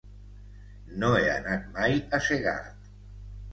No he anat mai a Segart.